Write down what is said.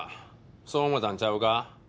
そう思ったんちゃうか？